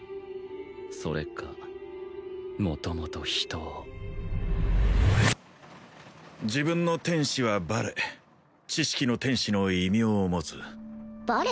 それか元々人を自分の天使はバレ知識の天使の異名を持つバレ？